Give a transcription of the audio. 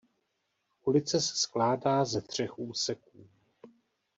Ulice se skládá ze třech úseků.